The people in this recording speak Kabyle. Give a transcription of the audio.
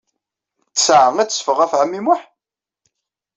Ttesɛa ad teffeɣ ɣef ɛemmi Muḥ?